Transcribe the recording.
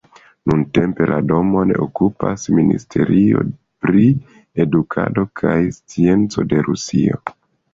Nuntempe la domon okupas Ministerio pri edukado kaj scienco de Rusio.